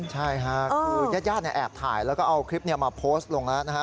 ใช่ค่ะคือญาติแอบถ่ายแล้วก็เอาคลิปนี้มาโพสต์ลงแล้วนะฮะ